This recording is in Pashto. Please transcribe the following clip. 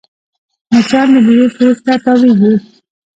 مچان د میوې پوست ته تاوېږي